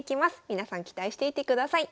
皆さん期待していてください。